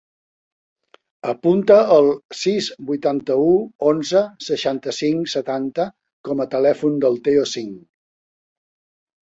Apunta el sis, vuitanta-u, onze, seixanta-cinc, setanta com a telèfon del Teo Singh.